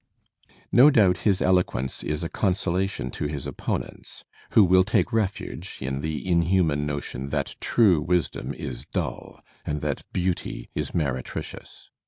No doubt his eloquence is a consolation to his opponents, who V will take refuge in the inhuman notion that true wisdom is dull and that beauty is meretricious.